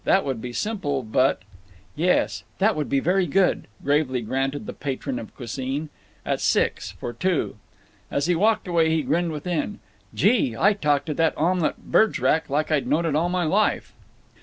That would be simple, but—" "Yes, that would be very good," gravely granted the patron of cuisine. "At six; for two." As he walked away he grinned within. "Gee! I talked to that omelet Berg' rac like I'd known it all my life!"